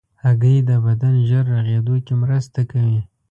هګۍ د بدن ژر رغېدو کې مرسته کوي.